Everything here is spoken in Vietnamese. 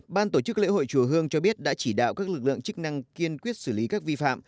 ban tổ chức lễ hội chùa hương cho biết đã chỉ đạo các lực lượng chức năng kiên quyết xử lý các vi phạm